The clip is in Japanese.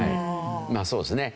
まあそうですね。